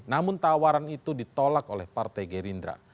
namun tawaran itu ditolak oleh partai gerindra